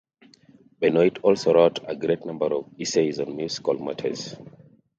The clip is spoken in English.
Benoit also wrote a great number of essays on musical matters.